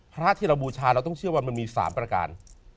พระที่เราบูชาเราต้องเชื่อว่ามันมี๓ประการ